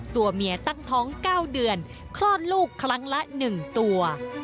ตัวเมียตั้งท้อง๙เดือนคลอดลูกครั้งละ๑ตัว